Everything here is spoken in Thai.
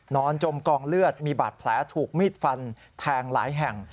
จมกองเลือดมีบาดแผลถูกมีดฟันแทงหลายแห่ง